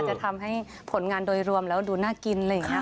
จะทำให้ผลงานโดยรวมแล้วดูน่ากินเลยค่ะ